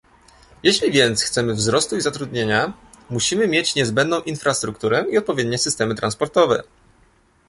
Jeśli więc chcemy wzrostu i zatrudnienia, musimy mieć niezbędną infrastrukturę i odpowiednie systemy transportowe